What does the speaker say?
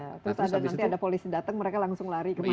terus nanti ada polisi datang mereka langsung lari kemana